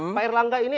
pak erlangga ini